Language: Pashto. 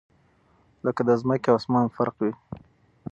لكه دځمكي او اسمان فرق وي